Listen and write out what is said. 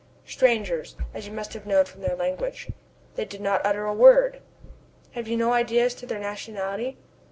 "Strangers, as you must have known from their language." "They did not utter a word!" "Have you no idea as to their nationality?"